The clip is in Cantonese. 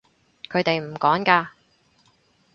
佢哋唔趕㗎